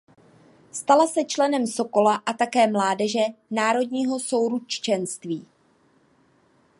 Stal se členem Sokola a také Mládeže Národního souručenství.